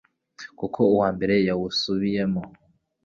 kuko uwa mbere yawusibiyemo